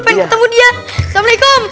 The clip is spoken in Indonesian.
pengen ketemu dia assalamualaikum